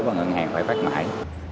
và ngân hàng phải phát mãi